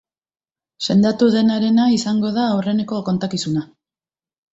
Sendatu denarena izango da aurrenengo kontakizuna.